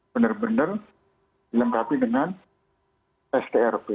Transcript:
benar benar dilengkapi dengan strp